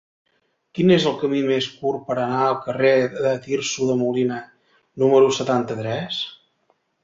Quin és el camí més curt per anar al carrer de Tirso de Molina número setanta-tres?